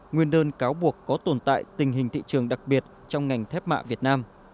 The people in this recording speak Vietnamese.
nguyên đơn cáo buộc có tồn tại tình hình thị trường đặc biệt trong ngành thép mạ việt nam